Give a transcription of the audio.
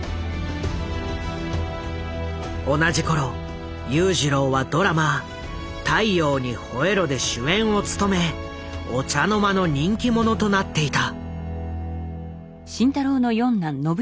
同じ頃裕次郎はドラマ「太陽にほえろ！」で主演を務めお茶の間の人気者となっていた。